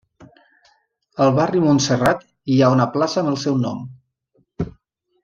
Al Barri Montserrat hi ha una plaça amb el seu nom.